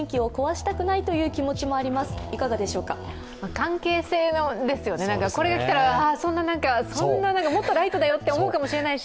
関係性ですよねこれが来たら、そんなもっとライトだよって思うかもしれないし。